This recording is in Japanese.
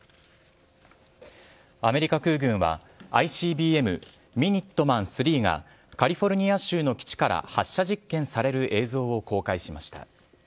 アメリカ空軍はＩＣＢＭミニットマン３がカリフォルニア州の基地から発射実験される映像を公開しました。